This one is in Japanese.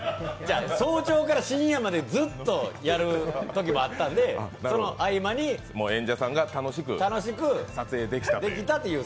早朝から深夜までずっとやるときもあったんで、その合間に楽しく撮影できたという。